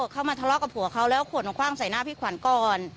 เข้ามาทะเลาะกับผัวเขาแล้วขวดมาคว่างใส่หน้าพี่ขวัญก่อน